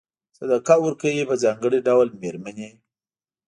صدقه ورکوي په ځانګړي ډول مېرمنې.